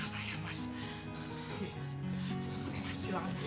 mas kalau mas mas nggak percaya